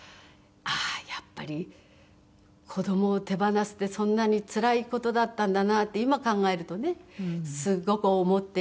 ああーやっぱり子供を手放すってそんなにつらい事だったんだなって今考えるとねすごく思って。